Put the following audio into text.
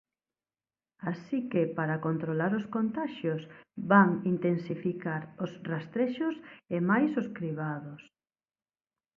Así que para controlar os contaxios van intensificar os rastrexos e mais os cribados.